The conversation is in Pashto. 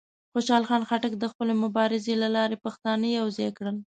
خوشحال خان خټک د خپلې مبارزې له لارې پښتانه یوځای کړل.